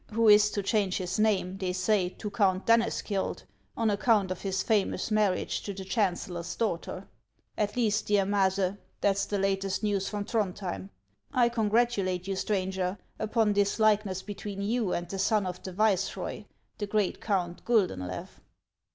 who is to change his name, thev say. to O •/ v ' Count Danneskiold, on account of his famous marriage to the chancellor's daughter. At least, dear Maase, that 's 308 HANS OF ICELAND. the latest news from Throndhjem. I congratulate you, stranger, upon this likeness between you and the sou of the viceroy, the great Count Guldenlew."